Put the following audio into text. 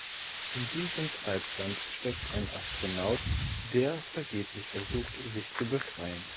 In diesem Treibsand steckt ein Astronaut, der vergeblich versucht, sich zu befreien.